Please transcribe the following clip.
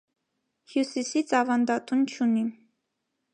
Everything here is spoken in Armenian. Հյուսիսից ավանդատուն չունի։